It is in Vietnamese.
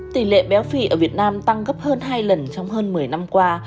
tỷ lệ béo phì ở việt nam tăng gấp hơn hai lần trong hơn một mươi năm qua